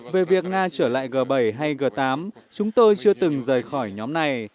về việc nga trở lại g bảy hay g tám chúng tôi chưa từng rời khỏi nhóm này